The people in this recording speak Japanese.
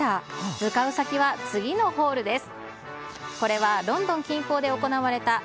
向かう先は次のホールです。